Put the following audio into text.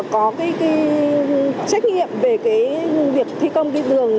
có cái trách nhiệm về việc thi công khuyến đường này